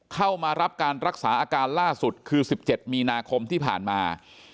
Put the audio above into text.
เข้ามารับการรักษาอาการล่าสุดคือ๑๗มีนาคมที่ผ่านมา